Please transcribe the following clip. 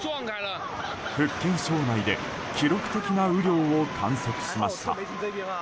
福建省内で記録的な雨量を観測しました。